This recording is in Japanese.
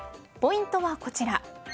ポイントはこちら。